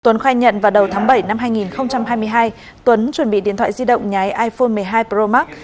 tuấn khai nhận vào đầu tháng bảy năm hai nghìn hai mươi hai tuấn chuẩn bị điện thoại di động nhái iphone một mươi hai pro max